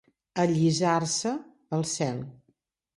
Allisar-se el cel.